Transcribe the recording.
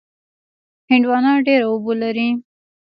هندوانه ډېره اوبه لري.